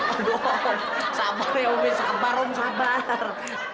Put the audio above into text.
aduh om sabar ya om sabar om sabar